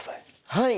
はい。